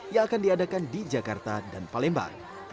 yang akan diadakan di jakarta dan palembang